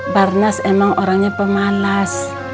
barnas emang orangnya pemalas